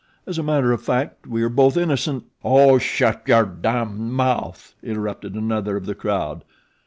As a matter of fact we are both innocent " "Oh, shut your damned mouth," interrupted another of the crowd.